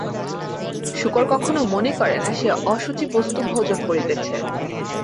শূকর কখনও মনে করে না, সে অশুচি বস্তু ভোজন করিতেছে।